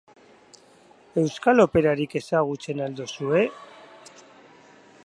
Euskal operarik ezagutzen al duzue?